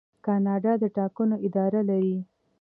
کاناډا د ټاکنو اداره لري.